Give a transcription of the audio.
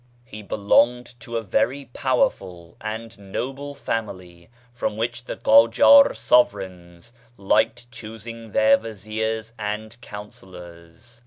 He belonged to a very powerful and noble family from which the Qadjar sovereigns liked choosing their viziers and councillors.